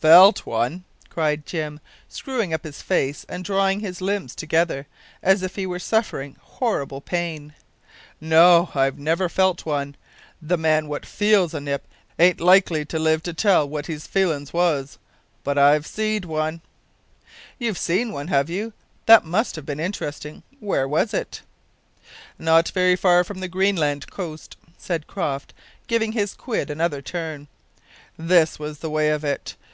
"Felt one!" cried Jim, screwing up his face and drawing his limbs together, as if he were suffering horrible pain, "no, I've never felt one. The man what feels a nip aint likely to live to tell what his feelin's was. But I've seed one." "You've seen one, have you? That must have been interesting. Where was it?" "Not very far from the Greenland coast," said Croft, giving his quid another turn. "This was the way of it.